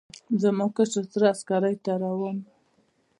زما کشر تره عسکرۍ ته روان و.